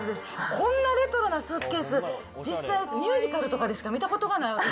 こんなレトロなスーツケース、実際ミュージカルでしか見たことがない、私。